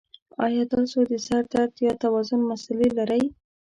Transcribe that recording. ایا تاسو د سر درد یا توازن مسلې لرئ؟